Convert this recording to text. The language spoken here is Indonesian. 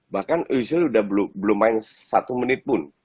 bahkan usually belum main satu menit pun